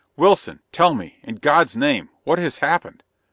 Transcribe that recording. "Wilson, tell me in God's name what has happened?"